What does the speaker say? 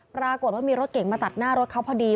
ปรากฏว่ามีรถเก่งมาตัดหน้ารถเขาพอดี